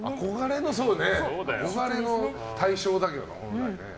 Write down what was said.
憧れの対象だけど、本来。